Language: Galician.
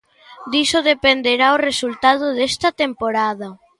Diso dependerá o resultado desta temporada.